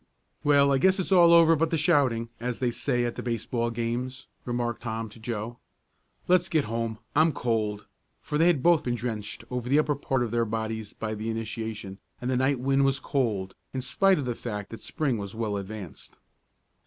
"Well, I guess it's all over but the shouting, as they say at the baseball games," remarked Tom to Joe. "Let's get home. I'm cold," for they had both been drenched over the upper part of their bodies by the initiation, and the night wind was cold, in spite of the fact that Spring was well advanced.